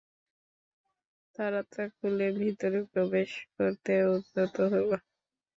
তারা তা খুলে ভিতরে প্রবেশ করতে উদ্যত হলো।